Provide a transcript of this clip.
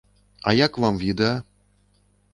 А як вам відэа?